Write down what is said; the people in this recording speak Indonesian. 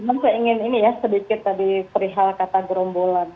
saya ingin sedikit tadi perihal kata gerombolan